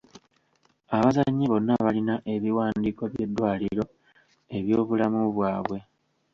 Abazannyi bonna balina ebiwandiiko by'eddwaliro eby'obulamu bwabwe.